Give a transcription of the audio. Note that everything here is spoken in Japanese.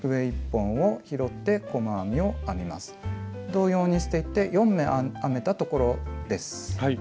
同様にしていって４目編めたところです。